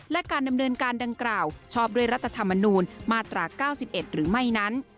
และการดำเนินการดังกล่าวชอบด้วยรัฐธรรมนูลมาตรา๙๑หรือไม่นั้น